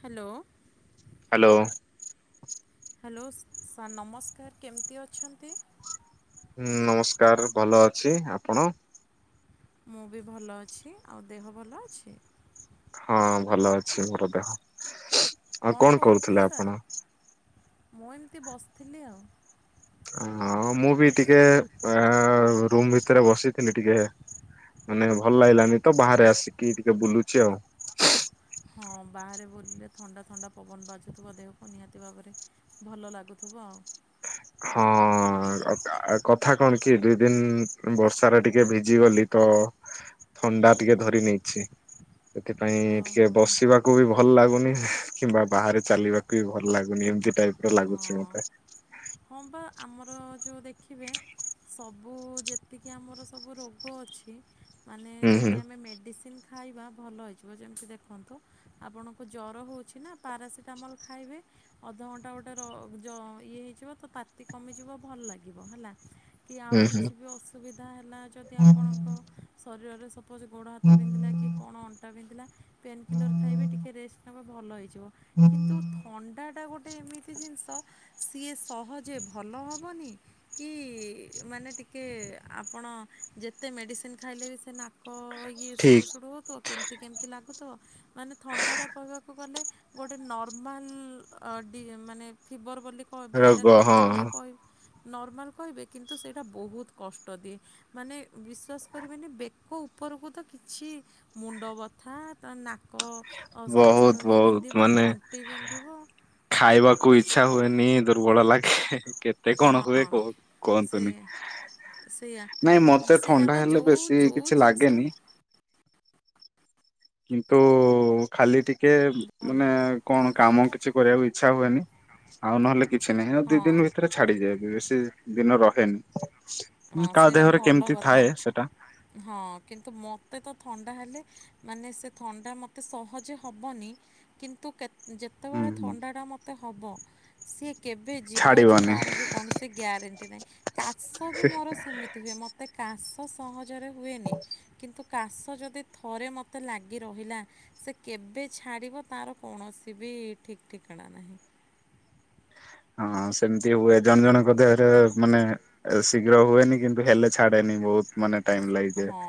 Hello. Hello. Hello sir ନମସ୍କାର କେମିତି ଅଛନ୍ତି? ହୁଁ ନମସ୍କାର ଭଲ ଅଛି ଆପଣ? ମୁଁ ବି ଭଲ ଅଛି ଆଉ ଦେହ ଭଲ ଅଛି? ହଁ ଭଲ ଅଛି ମୋର ଦେହ ଆଉ କଣ କରୁଥିଲେ ଆପଣ? ମୁଁ ଏମିତି ବସିଥିଲି ଆଉ। ହଁ ମୁଁ ବି ଟିକେ ଅ ରୁମ ଭିତରେ ବସିଥିଲି ଟିକେ ମାନେ ଭଲ ଲାଗିଲାନି ତ ବାହାରେ ଆସିକି ଟିକେ ବୁଲୁଛି ଆଉ। ହଁ ବାହାରେ ବୁଲିଲେ ଥଣ୍ଡା-ଥଣ୍ଡା ପବନ ବାଜୁଥିବ ଦେହକୁ ନିହାତି ଭାବରେ ଭଲ ଲାଗୁଥିବ‌। ହଉ। ହଁ କଥା କଣ କି ଦି-ଦିନ ବର୍ଷାରେ ଟିକେ ଭିଜି ଗଲି ତ। ଥଣ୍ଡା ଟିକେ ଧରି ନେଇଛି। ସେଥିପାଇଁ ଆଉ ଟିକେ ହଁ ବସିବାକୁ ବି ଭଲ ଲାଗୁନି। କିମ୍ବା ବାହାରେ ଚାଲିବାକୁ ବି ଭଲ ଲାଗୁନି ଏମିତି ଟାଇପ ହଁ ର ଲାଗୁଛି ହଁ ମତେ। ହଁ ବା ଆମର ଯେଉଁ ଦେଖିବେ ସବୁ ଯେତିକି ଆମର ସବୁ ରୋଗ ଅଛି। ମାନେ ହୁଁ ହୁଁ ଯଦି ଆମେ ମେଡିସିନ ଖାଇବା ଭଲ ହୋଇଇଯିବ ଯେମିତି ଦେଖନ୍ତୁ ଆପଣଙ୍କୁ ଜ୍ଵର ହେଉଛି ନା ପାରାସିଟାମଲ୍ ଖାଇବେ ଅଧଘଣ୍ଟା ଗୋଟେ ଇଏ ହେଇଯିବ ତ ତାତି କମିଯିବ ଭଲ ଲାଗିବ ହେଲା। କି ଆଉ ହୁଁ କିଛି ବି ଅସୁବିଧା ହେଲା ଯଦି ଆପଣଙ୍କ ଶରୀରରେ ଗୋଡ ହାତ ବିନ୍ଧିଲା କି ହୁଁ। କଣ ଅଣ୍ଟା ବିନ୍ଧିଲା ପେନକିଲର ଖାଇବ ଠିକ ରେଷ୍ଟ ନବ ଭଲ ହେଇଯିବ। କିନ୍ତୁ ଥଣ୍ଡାଟା ଗୋଟେ ଏମିତି ଜିନିଷ ସିଏ ସହଜେ ଭଲ ହେବନି କି ମାନେ ଟିକେ ଆପଣ ଯେତେ ମେଡିସିନ ଖାଇଲେ ବି ସେ ନାକ ଇଏ ସୁଡୁ-ସୁଡୁ ହଉଥିବ କେମିତି-କେମିତି ଲାଗୁ ମାନେ ଥଣ୍ଡାଟା କହିବାକୁ ଗଲେ ଗୋଟେ ନର୍ମାଲ ମାନେ ଫିବର ବୋଲିହ ରୋଗ ଭାଇରାଲ ଫିିବର ହଁ ଭଳିଆ କହିବ। ନର୍ମାଲ କହିବେ କିନ୍ତୁ ସେଇଟା ବହୁତ କଷ୍ଟ ଦିଏ ମାନେ ବିଶ୍ୱାସ କରିବେନି ବେକ ଉପରକୁ ତ କିଛି ମୁଣ୍ଡ ବଥା ନା ନା ବହୁତ ସଡ଼-ସଡ଼ ହେଇ ବହୁତ ବିନ୍ଧିବ ମାନେ ତଣ୍ଟି ବିନ୍ଧିବ। ଖାଇବାକୁ ଇଚ୍ଛା ହୁଏନି ଦୁର୍ବଳ ଲାଗେ। କେତେ କଣ ହୁଏ କୁହନ୍ତୁନି। ନାଇଁ ମତେ ସେଇଆ-ସେଇଆ ଥଣ୍ଡା ବା ହେଲେ ବେଶୀ ଯୋଉ-ଯୋଉ କିଛି ଜିନିଷ ଲାଗେନି କିନ୍ତୁ ଖାଲି ଟିକେ ମାନେ କଣ କାମ କିଛି କରିବାକୁ ଇ ଇଚ୍ଛା ହୁଏନି ଆଉ ନହେଲେ କିଛି ନାହିଁ ଆଉ ହଁ ଦିଇ ଦିନ ଭିତରେ ଛାଡ଼ିଯିବ କି ଦିନ ରହେନି। ହଁ କାହା ସେଇଟା ଦେହରେ ଭଲ କେମିତି କଥା ଥାଏ ସେଟା ହଁ କିନ୍ତୁ ମତେ ତ ଥଣ୍ଡା ହେଲେ ମାନେ ସେ ଥଣ୍ଡା ମୋତେ ସହଜେ ହେବନି କିନ୍ତୁ କେତେ ହୁଁ ଯେତେବେଳେ ହୁଁ ଥଣ୍ଡାଟା ମୋତେ ହେବ ସିଏ କେବେ ଯିବ ଯେ ଛାଡିବନି ତାର ବି କୌଣସି ଗ୍ୟାରେଣ୍ଟି ନାହିଁ କା ବି ମୋର ସେମିତି ହୁଏ ମୋତେ କାସ୍ ସହରେ ହୁଏନି କିନ୍ତୁ କାଶ ଯଦି ଥରେ ମତେ ଲାଗିରହିଲା ସେ କେ ଏବେ ଛାଡିବ ତାର କୌଣସି ବି ଠିକ୍ ଠିକଣା ନାହିଁ। ହଁ ସେମିତି ହୁଏ ଜଣେ ଜଣଙ୍କ ଦେହରେ ମାନେ ଶୀଘ୍ର ହୁଏନି କିନ୍ତୁ ହେଲେ ଛାଡେନି। ବହୁତ ମାନେ ଟାଇମ୍ ଲାଗିଯାଏ। ହଁ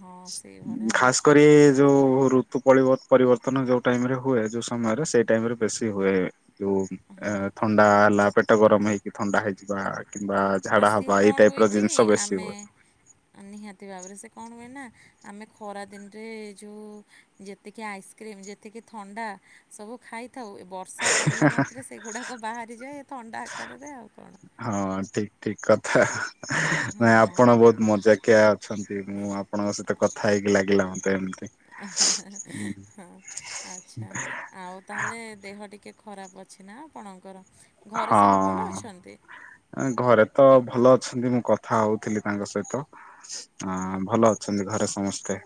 ହଁ ସେଇଭଳିଆ ଆଉ ଖାସ କରି ଯୋଉ ଋତୁ ପରିବ ପରିବର୍ତ୍ତନ ଯୋଉ ଟାଇମ୍ ରେ ହୁଏ ଯୋଉ ସମୟରେ ସେଇ ଟାଇମ୍ ରେ ବେଶୀ ହୁଏ ଯୋଉ ଉଁ ହଁ ଏଁ ଥଣ୍ଡା ହେଲା ପେଟ ଗରମ ହେଇକି ଥଣ୍ଡା ହେଇଯିବା କିମ୍ବା ହଁ ଝାଡା ସିଏ ହବା ଏଇ କ'ଣ ଟାଇପ୍ ହୁଏ ର କି ଜିନିଷ ବେଶୀ ଆମେ ହୁଏ। ନିହାତି ଭାବରେ ସେ କଣ ହୁଏ ନା ଆମେ ଖରା ଦିନରେ ଯେଉଁ ଯେତିକି ଆଇସ୍କ୍ରିମ୍ ଯେତିକି ଥଣ୍ଡା ସବୁ ଖାଇ ଉଥା ହୁଏ ବର୍ଷା ପଡିଲା ମାତ୍ରେ ସେଗୁଡାକ ବାହାରିଯାଏ। ଏ ଥଣ୍ଡା ଆକାରରେ ଆଉ କଣ। ଠିକ୍ ଠିକ୍ କଥା। ନା ହଁ ଆପଣ ବହୁତ ମଜାକିଆ ଅଛନ୍ତି ମୁଁ ଆପଣଙ୍କ ସହିତ କଥା ହେଇ ଲାଗିଲା ମତେ ଏମ୍ [inaudible] ହଁ ଆଚ୍ଛା ଆଉ ତାହେଲେ ଦେହ ଟିକେ ଖରାପ ଅଛି ନା ଆପଣଙ୍କର? ଘରେ ସବୁ ଭଲ ହଁ ଅଛନ୍ତି? [inaudible] ଘରେ ତ ଭଲ ଛନ୍ତି ମୁଁ କଥା ହୋଉଥିଲି ତାଙ୍କ ସହିତ ଆ ଭଲ ଅଛନ୍ତି ଘରେ ସମସ୍ତେ।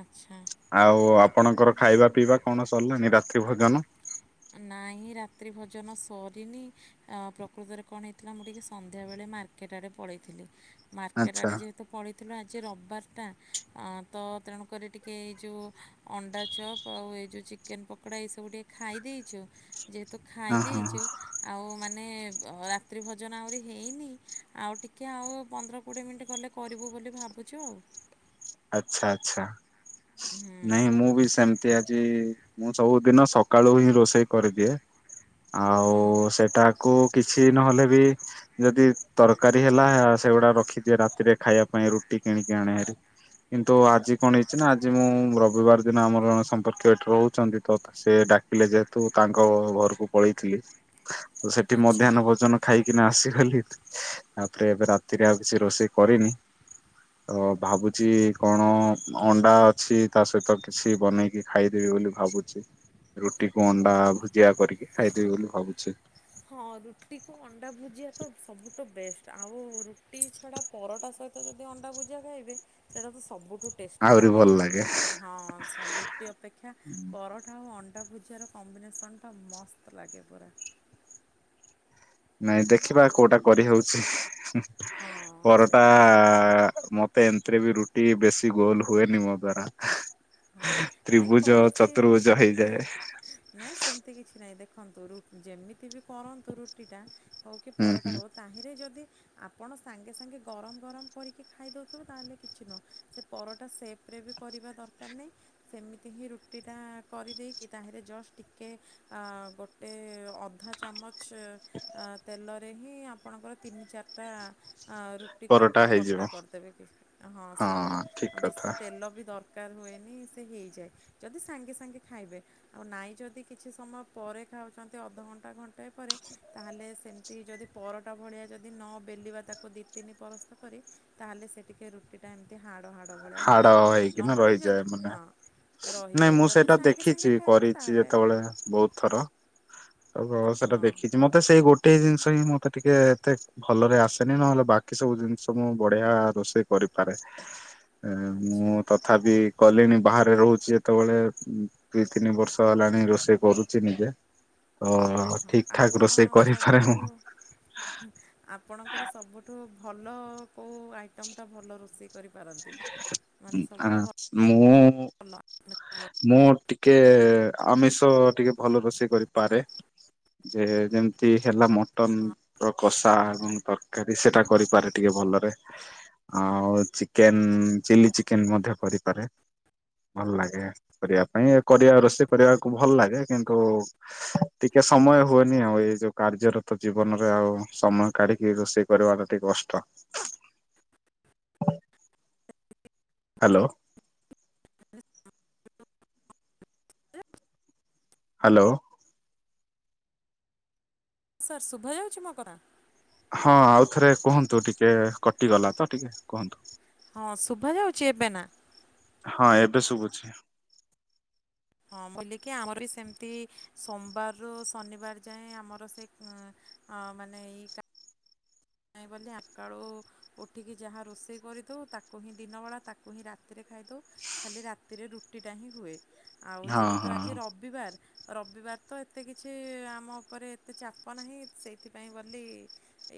ଆଚ୍ଛା। ଆଉ ଆପଣଙ୍କର ଖାଇବା ପିଇବା କଣ ସରିଲାନି ରାତ୍ରି ଭୋଜନ? ନାଇଁ ରାତ୍ରି ଭୋଜନ ସରିନି ପ୍ରକୃତରେ କଣ ହେଇଥିଲା ମୁଁ ଟିକେ ସନ୍ଧ୍ୟା ବେଳେ ମାର୍କେଟ ଆଡେ ପଳେଇ ଥିଲି ମାର୍କେଟ ଆଚ୍ଛା ଆଡେ ଯେହେତୁ ପଳେଇ ଥିଲୁ ଆଜି ରବିବାରଟା ତ ତେଣୁକରି ଟିକେ ଏଇ ଯୋଉ ଅଣ୍ଡା ଚପ୍ ଆଉ ସେ ଯୋଉ ଚିକେନ ପକଡା ଇଏ ସବୁ ଟିକେ ଖାଇ ଦେଇଛୁ ଯେହେତୁ ଖାଇ ଅ ହଁ ଦେଇଛୁ ଆଉ ମାନେ ମାନେ ରାତ୍ରି ଭୋଜନ ଆହୁରି ହେଇନି ଆଉ ଟିକିଏ ଆଉ ପନ୍ଦର କୋଡ଼ିଏ ମିନିଟ୍ ଗଲେ କରିବୁ ବୋଲି ଭାବୁଛୁ ଆଉ। ଆଚ୍ଛା ଆଚ୍ଛା ହୁଁ, ନାଇଁ ମୁଁ ବି ସେମିତିଆ ଟି ମୁଁ ସବୁଦିନ ସକାଳୁ ହିଁ ରୋଷେଇ କରିଦିଏ। ଆଉ ହଁ ସେଟାକୁ କିଛି ନହେଲେ ବି ଯଦି ତରକାରୀ ହେଲା ସେଗୁଡା ରଖିଦିଏ ରାତିରେ ଖାଇବା ପାଇଁ ରୁଟି ଏ କିଣିକି ଆଇଁଲି ହାରି। କିନ୍ତୁ ଆଜି କଣ ହେଇଛି ନା ଆଜି ମୁଁ ରବିବାର ଦିନ ଆମରଣ ସମ୍ପର୍କୀୟ ଏଠି ରହୁଛନ୍ତି ତ ସେ ସେ ଡାକିଲେ ଯେତୁ ତାଙ୍କ ଘରକୁ ପଳେଇଥିଲି। ସେଠି ଆଚ୍ଛା ମଧ୍ୟନ ଭୋଜନ ଖାଇ ନା ସେ ଖାଲି ତାପରେ ଏବେ ରାତିରେ ଆଉ କିଛି ରୋଷେଇ କରିନି। ଅ ଭାବୁ ଚି କଣ ଅଣ୍ଡା ଅଛି ତା ସହିତ କିଛି ବନେଇକି ଖାଇଦେବି ବୋଲି ଭାବୁଛି। ରୁଟିକୁ ହଉ ଅଣ୍ଡା ଭୁଜିଆ କରିକି ଖାଇଦେବି ବୋଲି ଭାବୁଛି। ହଁ ରୁଟିକୁ ଅଣ୍ଡା ଭୁଜିଆ ତ ସବୁଠୁ ବେଷ୍ଟ ଆଉ ରୁଟି ଛଡ଼ା ପରଟା ସହିତ ଯଦି ଅଣ୍ଡା ଭୁଜିଆ ଖାଇବେ ସେଇଟା ତ ସବୁଠ ବହୁ ଟେଷ୍ଟି ଆହୁରି ଲାଗେ। ଭଲ ହଁ ରୁଟି ଅପେକ୍ଷା ପରଠା ଆଉ ଅଣ୍ଡା ଭୁ ସେର କମ୍ବିନେସନ୍ ଟା ମସ୍ତ ଲାଗେ ପୁରା। ନାଇଁ ଦେଖିବା କୋଉଟା କରିହଉଛି। ହଁ ପରଟା ସେଇଆ। ମ ତ ଏଥିରେ ବି ରୁଟି ବେଶୀ ଗୋଲ ହୁଏନି ମୋ ଦ୍ଵାରା। ହଁ ନାଇଁ ତ୍ରିଭୁଜ କଣ ସେ ଚତୁର୍ଭୁଜ ହେଇଯାଏ। ନାଇଁ ସେମିତି କିଛି ନାଇଁ ଦେ ରଖନ୍ତୁ ର ଯେମିତି ବି କରନ୍ତୁ ରୁଟିଟା ହେଉ କି ହୁଁ ପରଟା ହୁଁ। ହେଉ ତାହିଁରେ ଯଦି ଆପଣ ସାଙ୍ଗେ ସାଙ୍ଗେ ଗରମ ଗରମ କରିକି ଖାଇଦଉଥିବେ ତାହେଲେ କିଛି ନୁହଁ ସେ ପରଟା ସେ ଏବେ କରିବା ଦ ଦରକାର ନାହିଁ ସେମିତି ହିଁ ରୁଟିଟା କରିଦେଇକି ତାହିଁରେ ଜଷ୍ଟ ଟିକେ ଆଁ ଗୋଟେ ଅଧା ଚାମଚ ତେଲରେ ହିଁ ଆପଣଙ୍କର ତିନି ଚାରିଟା ରୁଟିକୁ ଆପଣ ପରଟା କରିଦେବେ କି ହଁ ସେଇଆ ଠିକ ବେଶୀ କଥା ତେଲ ବି ଦର କାର ହୁଏନି ସେ ହେଇଯାଏ ଯଦି ସାଙ୍ଗେ ସାଙ୍ଗେ ଖାଇବେ ଆଉ ନାଇଁ ଯଦି କିଛି ସମୟ ପରେ ନଉଛନ୍ତି ଅଧଘଣ୍ଟା ଘଣ୍ଟେ ପରେ ତାହାଲେ ସେତି ପରଟା ଭଳିଆ ଯଦି ନ ବେଲିବା ତାକୁ ତାକୁ ଦୁଇ ତିନି ପରସ୍ତ କରି ତାହେଲେ ସେ ଟିକେ ରୁଟିଟା ଏମିତି ହାଡ଼ ହାଡ଼ ଭଳିଆ ହେଇଯାଏ। କିନା ନହେଲେ ରହିଯାଏ ଯଦି ମାନେ ହଁ ନାଇଁ ରହିଯାଏ ମୁଁ ଯଦି ସେଇଟା ସାଙ୍ଗେ ସାଙ୍ଗେ ଦେଖିଛି ଖାଇବେ କରିଛି ତାହେଲେ ଯେତେବେଳେ ବହୁତ ଥର ଆଉ ଘ ସେଟା ହଁ ଦେଖିଛି ମତେ ସେଇ ଗୋଟେ ଜିନିଷ ରଷ ହିଁ ମତେ ଟିକେ ଏତେ ଭଲରେ ଆସେନି ନହେଲେ ବାକି ସବୁ ଜିନିଷ ମୁଁ ବଢିଆ ରୋଷେଇ କରିପାରେ ଆଚ୍ଛା ମୁଁ ତଥାପି କଲିଣି ବାହାରେ ରହୁଛି ଯେତେବେଳେ ଦୁଇ ତିନି ବର୍ଷ ହେଲାଣି ରୋଷେଇ କରୁଛି ନିଜେ ହଁ ତ ହଁ ଠିକ ଠାକ ଆପଣ ରୋଷେଇ କରିପାରେ ମୁ। ସବୁଠୁ ଆପଣଙ୍କର ସବୁଠୁ ଭଲ କୋଉ ଆଇଟମ ଟା ଭଲ ରୋଷେଇ କରିପାରନ୍ତି ମାନେ ଆ ସବୁଠୁ ଭଲ ମୁଁ ଭଲ ମ ଟିକେ ଆମିଷ ଟିକେ ଭଲ ରୋଷେଇ କରିପାରେ ଯେ ଯେମିତି ହେଲା ମଟନ ହଁ ର କଷା ଏବଂ ତରକାରୀ ସେଟା କରିପାରେ ଟିକେଲ ଭଲରେ ଆଉ ଚିକେନ ଚିଲି ଚିକେନ ମଧ୍ୟ କରିପାରେ ଭଲ ଲାଗେ କରିବା ପାଇଁ କରିବା ରୋଷେଇ କରିବାକୁ ଭଲ ଲାଗେ କିନ୍ତୁ ଟିକେ ଏ ସମୟ ହୁଏନି ଆଉ ଏଇ ଯୋଉ କାର୍ଯ୍ୟରତ ଜୀବନରେ ଆଉ ସମୟ କାଢିକି ରୋଷେଇ କରିବାଟା ଟିକେ କଷ୍ଟ ହ୍ୟାଲୋ। ହ୍ୟାଲୋ। ହଁ ସାର୍ ଶୁଭୟାଉଛି ମ କଥା? ହଁ ଆଉଥରେ କୁହନ୍ତୁ ଟିକେ କଟିଗଲା ତ ଟିକେ କୁହନ୍ତୁ? ହଁ ଶୁଭ ଯାଉଛି ଏବେ ନା? ହଁ ଏବେ ଶୁଭୁଛି। ହଁ ବୁଲିକି ଆମର ବି ସେମିତି ସୋମବାରରୁୁ ଶନିବାର ଯାଏ ଆମର ସେ ହଁ ମାନେ ଏଇ ନାଇଁ ବ ଆକାଳୁ ଉଠିକି ଯାହା ରୋଷେଇ କରିଥାଉ ତାକୁ ହିଁ ଦିନ ବଳା ତାକୁ ହିଁ ରାତିରେ ଖାଇଦଉ ଖାଲି ରାତିରେ ରୁଟି ଟା ହିଁ ହୁଏ ଆଉ ହଁ ଯେହେତୁ ହଁ। ଆଜି ରବିବାର ରବିବାର ତ ଏତେ କିଛି ଆମ ଉପରେ ଏତେ ଚାପ ନାହିଁ, ସେଇଥିପାଇଁ ବୋଲି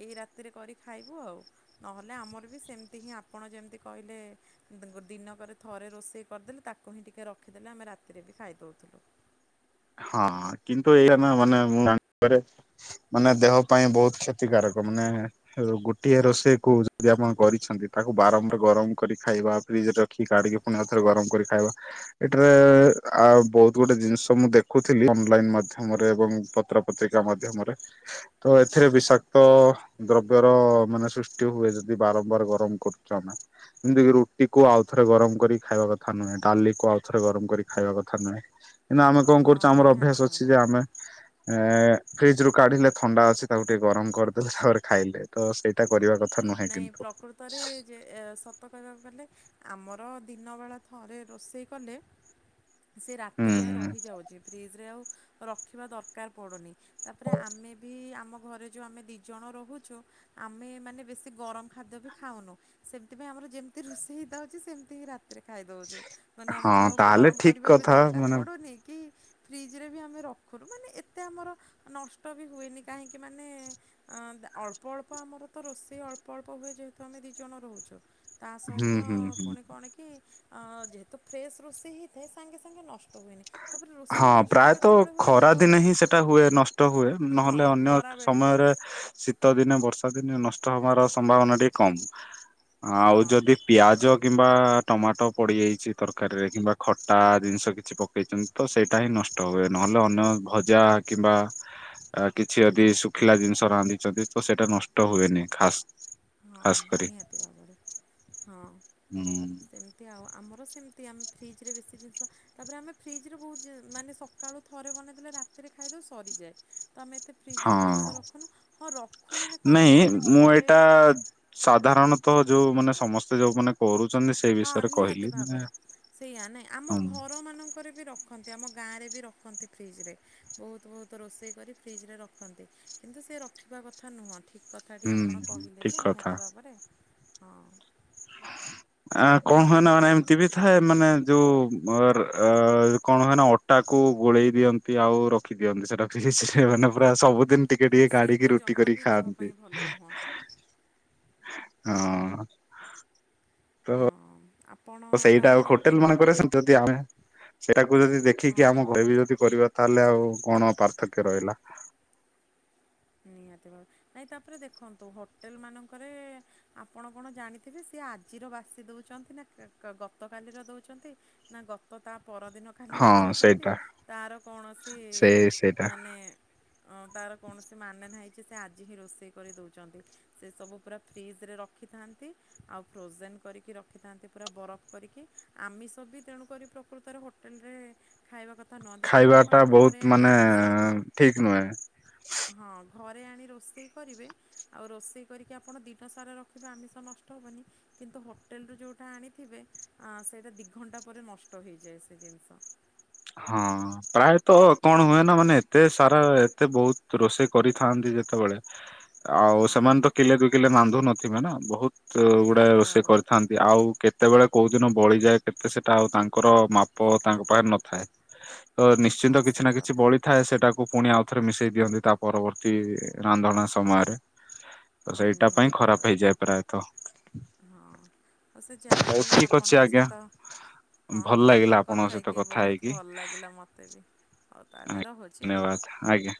ଏଇ ରାତି ରାରେ କରି ଖାଇବୁ ଆଉ ନହେଲେ ଆମର ବି ସେମିତି ହିଁ ଆପଣ ଯେମିତି କହିଲେ ଦିନ ଥରେ ରୋଷେଇ କରିଦେଲେ, ତାକୁ ହିଁ ଟିକେ ରଖିଦେଲେ ଆମେ ରାତିରେ ବି ଖାଇଦଉଥିଲୁ। ହଁ କିନ୍ତୁ ଏଇା ନା ମାନେ ମୁଁ ଜାଣି କରେ ମାନେ ଦେହ ପାଇଁ ବହୁତ କ୍ଷତିକାରକ ମାନେ ଗୋଟିଏ ରୋଷେଇ କ ଯଦି ଆପଣ କରିଛନ୍ତି, ତାକୁ ବାରମ୍ବାର ଗରମ କରି ଖାଇବା ପାଇଁ ଫ୍ରିଜରେ ରଖି କାଢିକି ପୁଣିଥରେ ଗରମ କରି ଖାଇବା ଏଠାରେ ଆ ବହୁତ ଗୋଟେ ଜିନିଷ ମୁଁ ଦେଖ ରଖଥିଲି ଅନଲାଇନ ମାଧ୍ୟମରେ ଏବଂ ପତ୍ର ପତ୍ରିକା ମାଧ୍ୟମରେ ତ ଏଥିରେ ବିଷାକ୍ତ ଦ୍ରବ୍ୟର ମାନେ ସୃଷ୍ଟି ହୁଏ ଯଦି ବାରମ୍ବାର ଗରମ କରୁଛୁ ଆମେ ଯେମିତି ରୁଟି କ ଆଉଥରେ ଗରମ କରି ଖାଇବା କଥା ନୁହେଁ, ଡାଲି କୁ ଆଉଥରେ ଗରମ କରି ଖାଇବା କଥା ନୁହେଁ, କି ଆମେ କଣ ହଁ କରୁଛୁ ଆମର ଅଭ୍ୟାସ ନିହାତି ଅଛି ଭାବରେ ଯେ ଆମେ ଏ ଫ୍ରିଜ ରୁ କାଢିଲେ ଥଣ୍ଡା ଅଛି, ତାକୁ ଟିକେ ଗରମ କରିଦେଲେ ତାପରେ ଖାଇଲେ ତ ସେଇଟା କରିବା କଥା ନୁହେଁ ନାଇଁ କିନ୍ତୁ ପ୍ରକୃତରେ ଯେ ସତ କହିବାକୁ ଗଲେ ଆମର ଦିନବେଳା ଥରେ ରୋଷେଇ କଲେ ସେ ରାତି ଯାଏଁ ହୁଁ ରହିଯାଉଛି ଫ୍ରିଜ ରେ ଆଉ ରଖିବା ଦରକାର ପଡ଼ୁନି ତାପରେ ଆମେ ବି ଆମ ଘରେ ଯୋଉ ଆମେ ଦି ଜଣ ରହୁଛୁ ଆମେ ମାନେ ବେଶ ଗରମ ଖାଦ୍ୟ ବି ଖାଉନୁ ସେମିପାଇ ଆମର ଯେମିତି ରୋଷେଇ ହେଇଥାଉଛି, ସେମିତି ହିଁ ରାତି ସେଥିରେ ଖାଇ ଦଉଛୁ ମାନେ ହଁ ଆମକୁ ଆଉ ତାହେଲେ ଗରମ ଠିକ କରିବା ବି କଥା ଦରକାର ମାନେ ପଡୁନି କି ଫ୍ରିଜ ରେ ବି ଆମେ ରଖୁରୁୁ ମାନେ ଏତେ ଆମର ନଷ୍ଟ ବି ହୁଏନି କାହିଁକି ମାନେ ଅଳ୍ପ ଅଳ୍ପ ଆମର ତ ରୋଷେଇ ଅଳ୍ପ ଅପଳ୍ପ ହୁଏ, ଯେହେତୁ ଆମେ ଦୁଇ ଜଣ ରହୁଛୁ ତା ହୁଁ ସହିତ ହୁଁ ହୁଁ ପୁଣି କଣ କି ଯେହେତୁ ଫ୍ରେଶସ୍ ରୋଷେଇ ହେଇଥାଏ ସାଙ୍ଗେ ସାଙ୍ଗେ ନଷ୍ଟ ହୁଏନି ତାପରେ ରୋଷେଇ ହଁ ନଷ୍ଟ ପ୍ରାୟତଃ କେତେବେଳେ ହୁଏ ଖରା ଯେତେବେଳେ ଦିନେ ହିଁ ସେଟା ହୁଏ, ନଷ୍ଟ ହୁଏ ହଁ ନହେଲେ ଅନ୍ୟ ଖରା ବେଳେ ସମୟରେ ଶୀତ ଦିନେ ବର୍ଷା ଦିନ ନଷ୍ଟ ହବାର ସମ୍ଭାବନା ଟିକେ କମ ଆଉ ହଁ ଯଦି ପିଆଜ କିମ୍ବା ଟମାଟୋ ପଡିଯାଇଛି ତରକାରୀରେ କିମ୍ବା ଖଟା ଜିନିଷ କିଛି ପ ଦେଇଛନ୍ତି ତ ସେଇଟା ହିଁ ନଷ୍ଟ ହୁଏ ନହେଲେ ଅନ୍ୟ ଭଜା କିମ୍ବା ଆ କିଛି ଯଦି ଶୁଖିଲା ଜିନିଷ ରାନ୍ଧିଛନ୍ତି ତ ସେଇଟା ନଷ୍ଟ ହୁଏନି ଖାସ୍। ହଁ ଖାସ୍ କରି। ନିହାତି ଭାବରେ ହଁ ହୁଁ ସେମିତି ଆଉ ଆମର ସେମିତି ଆମେ ଫ୍ରିଜରେ ବେଶୀ ଜିନିଷ ତାପରେ ଆମେ ଫ୍ରିଜରେ ବହୁତ ମାନେ ସକାଳୁ ଥରେ ବନେଇଦେଲେ ରାତିରେ ଖାଇଦଉ ସରିଯାଏ। ତ ଆମେ ଏତେ ଫ୍ରିଜ୍ରରେ ହଁ ଜିନିଷ ରଖୁନୁ ହଁ ରଖୁ ମାନେ କଣ ନାଇଁ କହିଲେ ମୁଁ ଥରେ ଏଇଟା ସାଧାରଣତଃ ଯୋଉ ମାନେ ସମସ୍ତେ ଯୋଉ ମାନେ କରୁ ହଁ ନିହାତି ଭାବରେ ସେଇୟା ନାଇଁ ଆମ ହଁ ଘର ମାନଙ୍କରେ ବି ରଖନ୍ତି ଆମ ଗାଁରେ ବି ରଖନ୍ତି ଫ୍ରିଜରେ ବହୁତ ବହୁତ ରୋଷେଇ କରି ଫ୍ରିଜରେ ରଖନ୍ତି କିନ୍ତୁ ସେ କଥା ନୁହଁ ଠିକ୍ କଥାଟି ଆପଣ ହୁଁ କହିଲେ ଠିକ ଯେ କଥା ନିହାତି ଭାବରେ ହଁ। ଆ କଣ ହୁଏନା ମାନେ ଏମିତି ବି ଥାଏ ମାନେ ଯୋଉ ଅ ଉଁ କଣ ହୁଏନା ଅଟାକୁ ଗୋଳେଇ ଦିଅନ୍ତି ଆଉ ରଖିଦିଅନ୍ତି ସେଟା କିସିଝିକି ସିଝି ମାନେ ପୁରା ସବୁ ଦିନ ଟିକେ ହଁ ଟିକେ ସିଏ ତ କାଢିକି ରୁଟି ଜମା କରିକି ବି ଦେହ ଖାଆନ୍ତି। ପାଇଁ ଭଲ ନୁହଁ ହଁ। ତ ହଁ ଆପଣ ତ ସେଇଟା ତାହେଲେ ହୋଟେଲ ମାନଙ୍କରେ ସେମତି ଯଦି ଆମେ ସେଇଟାକୁ ଯଦି ଦେଖିକି ହଁ ଆମ ଘରେ ହଁ ବି ଯଦି କରିବା ତାହେଲେ ଆଉ କଣ ପାର୍ଥକ୍ୟ ରହିଲା। ନିହାତି ଭାବ ନାଇଁ ତାପରେ ଦେଖନ୍ତୁ ହୋଟେଲ ମାନଙ୍କରେ ଆପଣ କଣ ଜାଣିଥିବେ ସି ସେ ଆଜିର ବାସି ଦଉଛନ୍ତି ନା କା ଗତକାଲିର ଦଉଛନ୍ତି ନା ଗତ ତା ପରଦିନ କାଲିର ହଁ ଦେଉଛନ୍ତି ସେଇଟା ତର କୌଣସି ସେ ସେଇଟା ମାନେ ଅଁ ତାର କୌଣ କାନେ ନାହିଁ ଯେ ସେ ଆଜି ହିଁ ରୋଷେଇ କରି ଦେଉଛନ୍ତି ସେ ସବୁ ପୁରା ଫ୍ରିଜରେ ରଖିଥାନ୍ତି ଆଉ ଫ୍ରୋଜେନ୍ କରିକି ରଖିଥାନ୍ତି ପୁରା ବରଫ କରିକି ଆମିଷ ବି ତେଣୁକରି ପ୍ରକୃତରେ ହୋଟେଲରେ ଖାଇବା କଥା ନୁହଁ ଦେଖିବେ ଖାଇବା ଆପଣ ଟା ଘରେ ବହୁତ ଆଣି ମାନେ ରୋଷେଇ ଠିକ ନୁହେଁ। ହଁ ଘରେ ଆଣି ରୋଷେଇ କରିବେ ଆଉ ରୋଷେଇ କରିକି ଆପଣ ଦିନ ସାରା ରଖିବେ ଆମିଷ ନଷ୍ଟ ହେବନି। କିନ୍ତୁ ହୋଟେଲରୁୁ ଯେଉଁଟା ଆଣିଥିବେ ଆଁ ସେଇଟା ଦୁଇଘଣ୍ଟା ପରେ ନଷ୍ଟ ହୋଇଇଯାଏ ସେ ଜିନିଷ। ହଁ ପ୍ରାୟତଃ କଣ ହୁଏନା ମାନେ ଏତେ ସାରା ଏତେ ବହୁତ ରୋଷେଇ କରିଥାନ୍ତି। ଯେତେବେଳେ ଆଉ ହଁ ସେମାନେ ତ କିଲେ ଦୁ କିଲେ ରାନ୍ଧୁ ନଥିବେ ନା ବହୁତ ତ ଗୁଡା ନିହାତି ରୋଷେଇ ଭାବରେ କରିଥାନ୍ତି ଆଉ କେତେ କେତେବେଳେ କୋଉ ଦିନ ବଳିଯାଏ କେତେ ସେଟା ଆଉ ତାଙ୍କର ମାପ ତାଙ୍କ ପାଇଁ ନଥାଏ। ତ ହଁ ନିଶ୍ଚିନ୍ତ କିଛି ସେଇ ନା କିଛି କଥାଟି ବଳିଥାଏ ସେଟା କୁ ପୁଣି ଆଉ ଥରେ ମିଶେଇ ଦିଅନ୍ତି ତା ପରବର୍ତ୍ତୀ ରାନ୍ଧଣା ସମୟରେ। ତ ହଁ ସେଇଟା ନିହାତି ପାଇଁ ଖରାପ ଭାବରେ ହେଇଯାଏ ପ୍ରାୟତଃ। ହଁ ଆଉ ସେ ଯାହା ବିି ହଉ ଠିକ ଅଛି ଆପଣଙ୍କ ଆଜ୍ଞା ସହିତ ହଁ ଭଲ ହଁ ଲାଗିଲା କଥା ଆପଣଙ୍କ ସହିତ କଥା ବହୁତ ହେଇକି। ଭଲ ଲାଗିଲା ମୋତେ ବି ଆଉ। ଧନ୍ୟବାଦ ଆଜ୍ଞା।